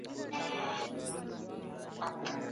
پلار مې وویل چې د مشرانو په مخ کې مه غږېږه.